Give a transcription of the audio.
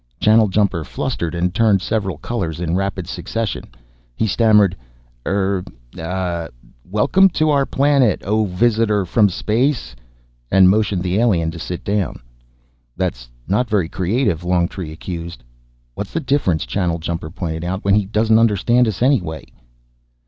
Channeljumper flustered and turned several colors in rapid succession. He stammered, "Er ah welcome to our planet, O visitor from space," and motioned the alien to sit down. "That's not very creative," Longtree accused. "What's the difference," Channeljumper pointed out, "when he doesn't understand us anyway."